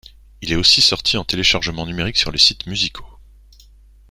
Il est aussi sorti en téléchargement numérique sur les sites musicaux.